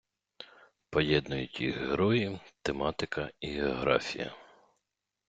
Поєднують їх герої, тематика і географія.